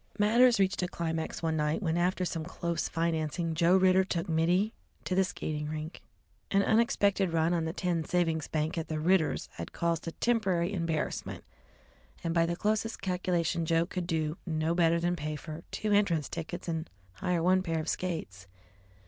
Matters reached a climax one night when, after some close financing, Joe Ridder took Mittie to the Skating Rink. An unexpected run on the tin savings bank at the Ridders' had caused a temporary embarrassment, and by the closest calculation Joe could do no better than pay for two entrance tickets and hire one pair of skates.